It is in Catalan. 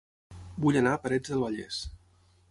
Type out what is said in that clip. Vull anar a Parets del Vallès